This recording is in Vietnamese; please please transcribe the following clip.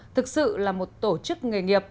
thực sự là một tổ chức nghề nghiệp